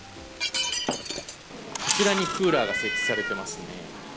こちらにクーラーが設置されてますね。